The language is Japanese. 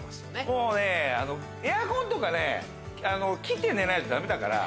もうねエアコンとかね切って寝ないとダメだから。